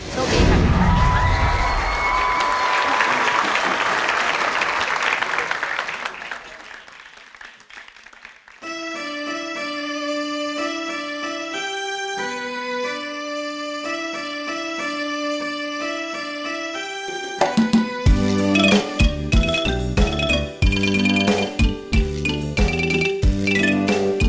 โชคดีครับ